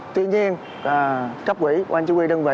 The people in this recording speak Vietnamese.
tuy nhiên cấp quỹ quan chức quỹ đơn vị